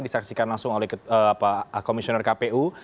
disaksikan langsung oleh komisioner kpu